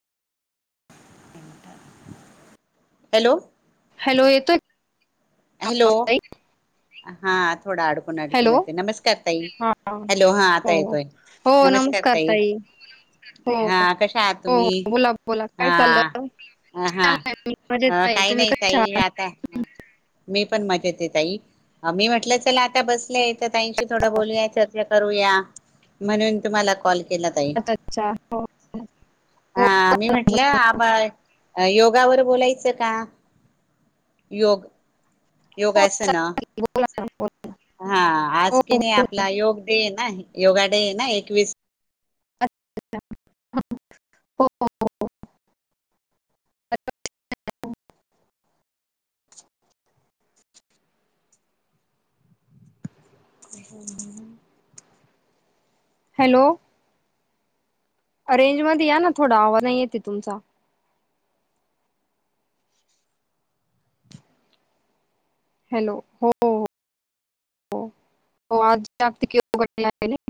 Hello. Hello येतोय का hello आवाज ताई? हा थोडा अडकून अडकून हॅलो. येतंय. नमस्कार ताई, हा हॅलो हा आता हो. येतोय, नमस्कार ताई. हो, हा कशा आहात हो, तुम्ही? हो बोला, बोला काय हा चाललं? हा छान आहे मी मजेत हा आहे. काही तुम्ही नाही कशा ताई आहात? आता मीपण मजेत हाय ताई, मी म्हटलं चला आता बसले आहे तर ताईशी थोडं बोलूया चर्चा करूया. म्हणून तुम्हाला कॉल केला ताई. अच्छा, अच्छा. हो, हो, हा मी म्हटलं, आ योगावर बोलायचं का? योग हो योगासना. बोला ना बोला. हा आज हो, की हो, नाही आपला योग डे हाय ना, योगा डे आहे ना एकवीस [inaudible] हो. हो. हॅलो. रेंजमध्ये या ना थोडा, आवाज नाही येत आहे तुमचा. हॅलो, हो हो हो हो आज जागतिक योगा दिन आहे ना.